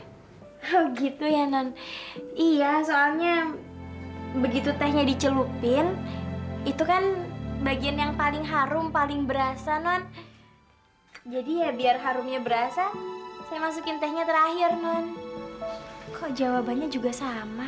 oh gitu ya non iya soalnya begitu tehnya dicelupin itu kan bagian yang paling harum paling berasa non jadi ya biar harumnya berasa saya masukin tehnya terakhir non kok jawabannya juga sama